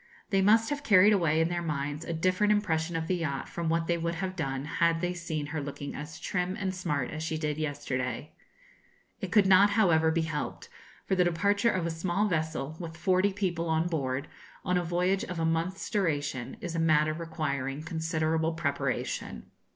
They must have carried away in their minds a different impression of the yacht from what they would have done had they seen her looking as trim and smart as she did yesterday. It could not, however, be helped; for the departure of a small vessel, with forty people on board, on a voyage of a month's duration, is a matter requiring considerable preparation.